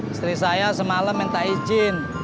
istri saya semalam minta izin